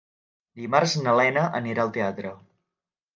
Dimarts na Lena anirà al teatre.